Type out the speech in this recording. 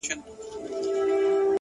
• د خپلي خوښی سره سم ,